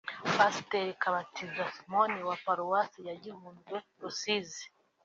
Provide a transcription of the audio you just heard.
Pasitori Kabatiza Simon wa Paruwasi ya Gihundwe (Rusizi)